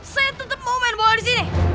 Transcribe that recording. saya tetep mau main bola disini